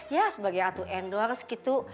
ya sebagai atu endorse gitu